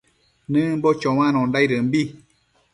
Nëmbo choanondaidëmbi